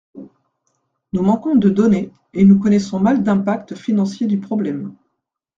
Nous manquons de données et nous connaissons mal d’impact financier du problème.